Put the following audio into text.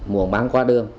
muốn băng qua đường